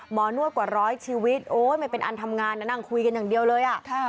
นวดกว่าร้อยชีวิตโอ๊ยมันเป็นอันทำงานนะนั่งคุยกันอย่างเดียวเลยอ่ะ